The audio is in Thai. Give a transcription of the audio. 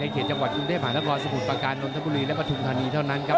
เขตจังหวัดกรุงเทพหานครสมุทรประการนนทบุรีและปฐุมธานีเท่านั้นครับ